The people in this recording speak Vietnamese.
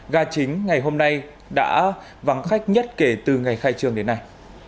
ga chính ngày hôm nay đã vắng khách nhất kể từ ngày khai trường đến nay